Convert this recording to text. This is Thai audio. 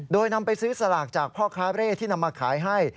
โดยนำไปซื้อสลากจากพ่อค้าเร่ที่นำมาขายให้